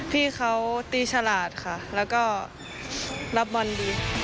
พี่เขาตีฉลาดค่ะแล้วก็รับบอลดี